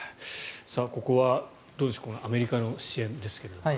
ここはどうでしょうアメリカの支援ですが。